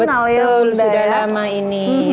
betul sudah lama ini